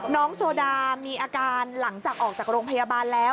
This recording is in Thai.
โซดามีอาการหลังจากออกจากโรงพยาบาลแล้ว